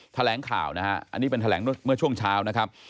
แถลงข่าวนะฮะอันนี้เป็นแถลงเมื่อช่วงเช้านะครับ